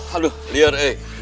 aduh liar eh